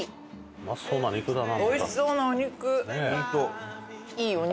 うまそうな肉だな。